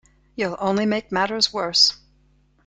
You'll only make matters worse.